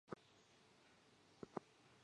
吏民爱戴。